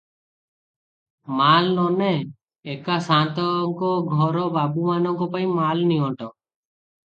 ମାଲ୍ ନ ନେ, ଏକା ସାଆନ୍ତଘର ବାବୁମାନଙ୍କ ପାଇଁ ମାଲ ନିଅଣ୍ଟ ।